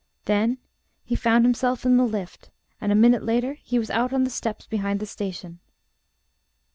Then he found himself in the lift, and a minute later he was out on the steps behind the station.